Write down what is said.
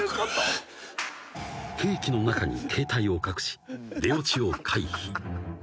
［ケーキの中に携帯を隠し出オチを回避］